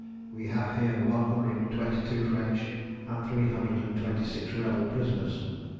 We have here one hundred and twenty two French and three hundred and twenty six rebel prisoners.